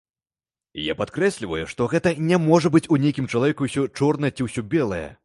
Я падкрэсліваю, што не можа быць у нейкім чалавеку ўсё чорнае ці ўсё белае.